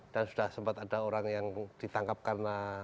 dan sudah sempat ada orang yang ditangkap karena